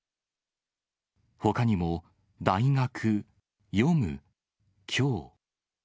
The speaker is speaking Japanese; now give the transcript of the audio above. ほかにも、大学、読む、きょう。